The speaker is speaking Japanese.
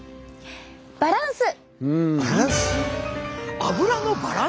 バランス！